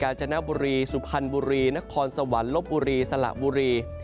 จนบุรีสุพรรณบุรีนครสวรรค์ลบบุรีสละบุรี